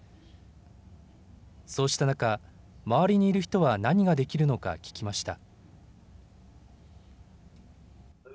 そうした中、周りにいる人は何ができるのか聞きました。